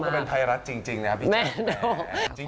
สมกับเป็นไพรัสจริงนะครับพี่เจ้า